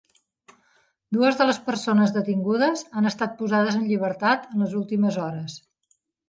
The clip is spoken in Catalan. Dues de les persones detingudes han estat posades en llibertat en les últimes hores.